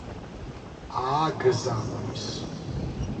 ააგზავნის